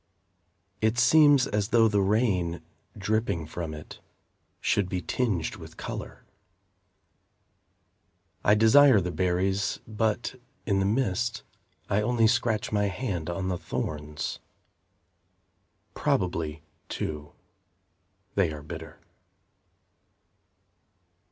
It seems as though the rain, Dripping from it, Should be tinged with colour. I desire the berries, But, in the mist, I only scratch my hand on the thorns. Probably, too, they are bitter.